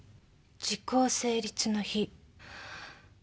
時効成立の日。